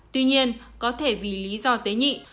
tuy nhiên có thể vì lý do tế nhị